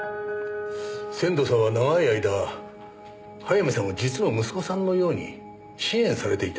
仙堂さんは長い間早見さんを実の息子さんのように支援されていたと聞きました。